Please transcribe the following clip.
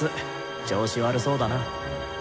調子悪そうだな。